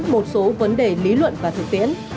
một số vấn đề lý luận và thực tiễn